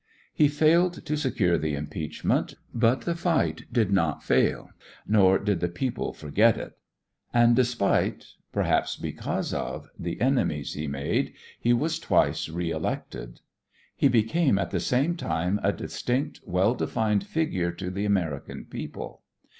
He failed to secure the impeachment, but the fight did not fail, nor did the people forget it; and despite perhaps because of the enemies he made, he was twice reelected. He became at the same time a distinct, well defined figure to the American people.